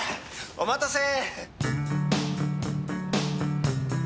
お待たせ！